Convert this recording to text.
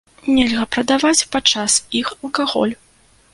Нельга прадаваць падчас іх алкаголь.